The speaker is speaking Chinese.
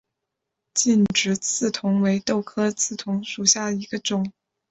劲直刺桐为豆科刺桐属下的一个种。